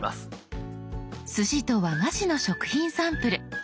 すしと和菓子の食品サンプル。